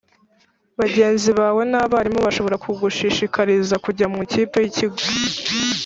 Bagenzi bawe n abarimu bashobora kugushishikariza kujya mu ikipe y ikigo